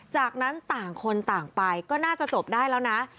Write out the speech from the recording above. จากนั้นต่างคนต่างไปก็น่าจะจบได้แล้วนะ